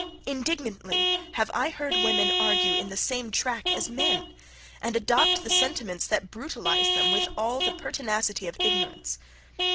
Indignantly have I heard women argue in the same track as men, and adopt the sentiments that brutalize them with all the pertinacity of ignorance.